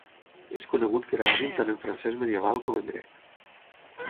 És conegut que era hàbil tant en francès medieval com en grec.